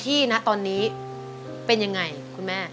ณตอนนี้เป็นยังไงคุณแม่